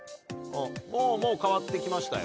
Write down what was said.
もうもう変わってきましたよ。